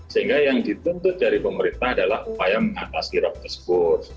sehingga yang dituntut dari pemerintah adalah upaya mengatasi rob tersebut